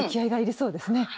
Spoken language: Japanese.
そうですね。